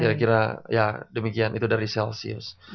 kira kira ya demikian itu dari celsius